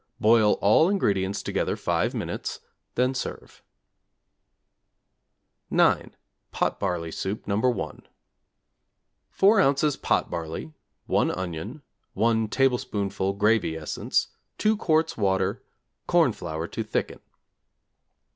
Boil all ingredients together 5 minutes, then serve. =9. Pot barley Soup No. 1= 4 ozs. pot barley, 1 onion, 1 tablespoonful gravy essence, 2 quarts water, corn flour to thicken.